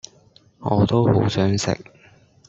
我都好想食